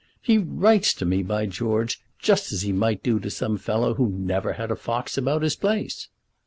He writes to me, by George, just as he might do to some fellow who never had a fox about his place."